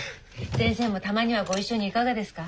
先生もたまにはご一緒にいかがですか。